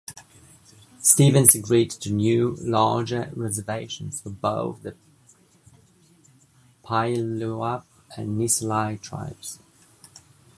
Stevens agreed to new, larger reservations for both the Puyallup and Nisqually tribes.